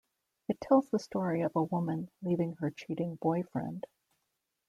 It tells the story of a woman leaving her cheating boyfriend.